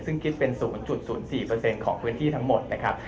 ซึ่งคิดเป็น๐๐๔ของพื้นที่ทั้งหมดนะครับ